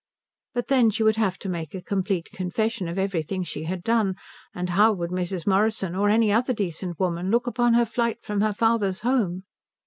But then she would have to make a complete confession of everything she had done, and how would Mrs. Morrison or any other decent woman look upon her flight from her father's home?